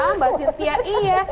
mbak sintia iya